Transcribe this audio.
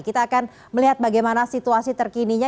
kita akan melihat bagaimana situasi terkininya